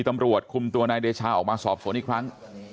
ตำรวจคุมตัวนายเดชาออกมาสอบสวนอีกครั้ง